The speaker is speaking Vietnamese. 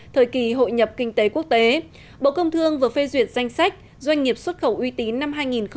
thời kỳ hội nhập kinh tế quốc tế bộ công thương vừa phê duyệt danh sách doanh nghiệp xuất khẩu uy tín năm hai nghìn hai mươi